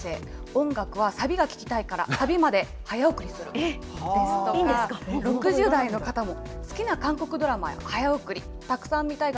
音楽はサビが聴きたいからサビまで早送りするですとか、６０代の方も、好きな韓国ドラマは早送り。